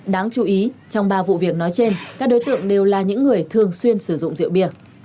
đáng chú ý trong ba vụ việc nói trên các đối tượng đều là những người thường xuyên sử dụng rượu bia